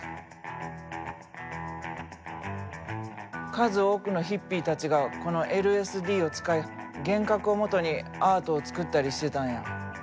数多くのヒッピーたちがこのＬＳＤを使い幻覚をもとにアートを作ったりしてたんや。